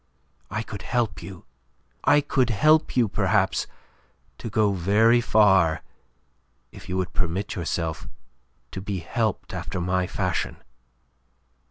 I could help you; I could help you, perhaps, to go very far if you would permit yourself to be helped after my fashion."